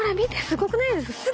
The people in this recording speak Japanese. すごくないです？